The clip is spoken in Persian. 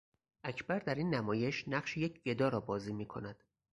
اکبر در این نمایش نقش یک گدا را بازی میکند.